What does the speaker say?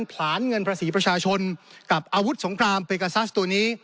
ผลาญเงินประสิทธิประชาชนกับอวุธสงครามราศัยตัวนี้